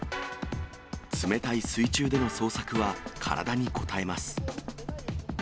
冷たい水中での捜索は体にこたえます。